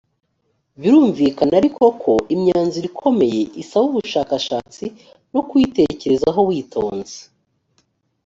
birumvikana ariko ko imyanzuro ikomeye isaba ubushakashatsi no kuyitekerezaho witonze